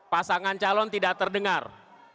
pasangan calon tidak terdengar